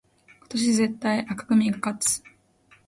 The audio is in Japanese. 今年絶対紅組が勝つ